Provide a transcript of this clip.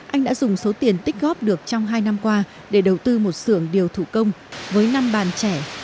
anh đã dùng số tiền tích góp được trong hai năm qua để đầu tư một sưởng điều thủ công với năm bàn trẻ